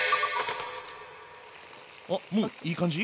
あっもういい感じ？